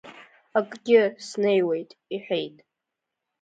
Акгьы, снеиуеит, — иҳәеит!